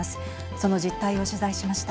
その実態を取材しました。